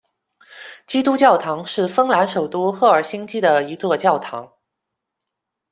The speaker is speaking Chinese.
基督教堂是芬兰首都赫尔辛基的一座教堂。